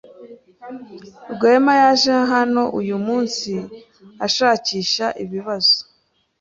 Rwema yaje hano uyu munsi ashakisha ibibazo.